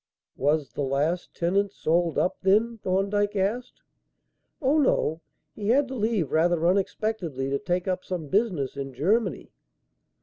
"Was the last tenant sold up, then?" Thorndyke asked. "Oh, no. He had to leave rather unexpectedly to take up some business in Germany."